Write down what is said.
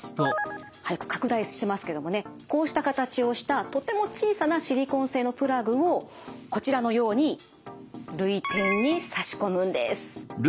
拡大してますけどもねこうした形をしたとても小さなシリコン製のプラグをこちらのように涙点に差し込むんです。